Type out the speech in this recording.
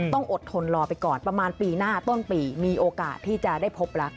ต้องอดทนรอไปก่อนประมาณปีหน้าต้นปีมีโอกาสที่จะได้พบรัก